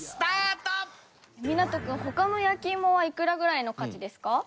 湊君他の焼き芋はいくらぐらいの価値ですか？